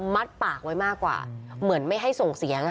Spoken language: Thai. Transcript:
ปากไว้มากกว่าเหมือนไม่ให้ส่งเสียง